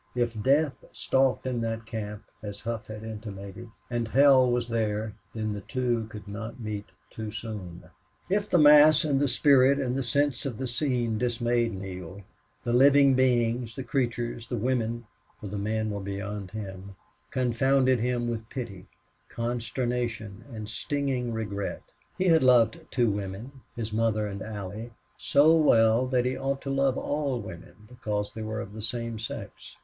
If death stalked in that camp, as Hough had intimated, and hell was there, then the two could not meet too soon. If the mass and the spirit and the sense of the scene dismayed Neale, the living beings, the creatures, the women for the men were beyond him confounded him with pity, consternation, and stinging regret. He had loved two women his mother and Allie so well that he ought to love all women because they were of the same sex.